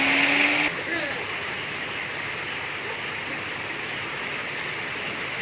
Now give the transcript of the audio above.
สวัสดีครับสวัสดีครับ